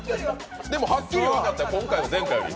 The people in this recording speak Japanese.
でも、はっきり分かったよ、今回は前回より。